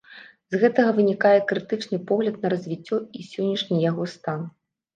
З гэтага вынікае крытычны погляд на развіццё і сённяшні яго стан.